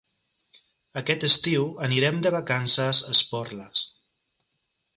Aquest estiu anirem de vacances a Esporles.